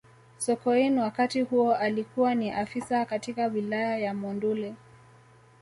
sokoine wakati huo alikuwa ni afisa katika wilaya ya monduli